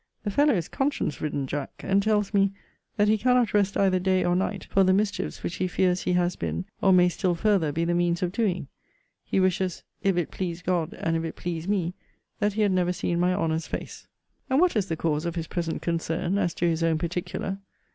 The fellow is conscience ridden, Jack; and tells me, 'That he cannot rest either day or night for the mischiefs which he fears he has been, or may still further be the means of doing.' He wishes, 'if it please God, and if it please me, that he had never seen my Honour's face.' And what is the cause of his present concern, as to his own particular?